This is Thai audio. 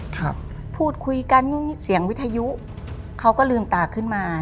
ครับพูดคุยกันเสียงวิทยุเขาก็ลืมตาขึ้นมา